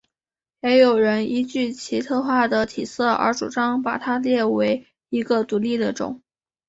也有人依据其特化的体色而主张把它列为一个独立的种。